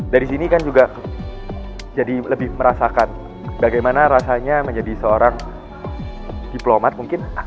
dari sini kan juga jadi lebih merasakan bagaimana rasanya menjadi seorang diplomat mungkin